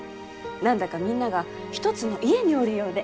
何だかみんなが一つの家におるようで。